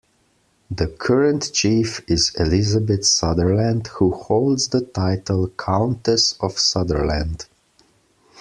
The current chief is Elizabeth Sutherland who holds the title Countess of Sutherland.